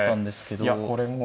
ええいやこれも。